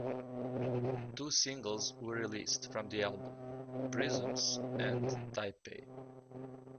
Two singles were released from the album, "Prisms" and "Taipei".